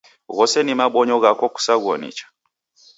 Ghose ni mabonyo ghako kusaghuo nicha.